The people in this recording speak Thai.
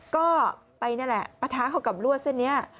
ก็ไปนี่แหละปะทะเข้ากับรวดเส้นนี้